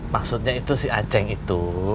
maksudnya itu si aceh itu